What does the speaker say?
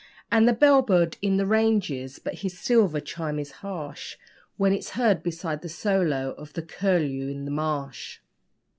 And the bell bird in the ranges but his 'silver chime' is harsh When it's heard beside the solo of the curlew in the marsh.